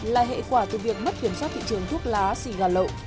là hệ quả từ việc mất kiểm soát thị trường thuốc lá xì gà lậu